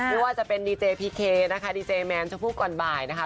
ไม่ว่าจะเป็นดีเจพีเคนะคะดีเจแมนชมพู่ก่อนบ่ายนะคะ